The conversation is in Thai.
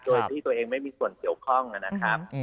โดยที่ตัวเองไม่มีส่วนเกี่ยวข้องนะครับ